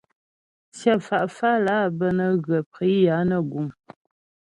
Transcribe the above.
Tsyə fá fálà bə́ nə́ ghə priyà nə guŋ.